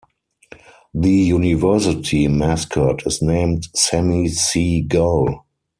The University mascot is named Sammy Sea Gull.